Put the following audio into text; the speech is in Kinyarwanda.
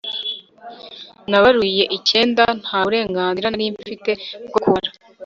Nabaruye icyenda nta burenganzira nari mfite bwo kubara